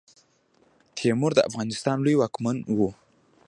تیمور د افغانستان لوی واکمن وو.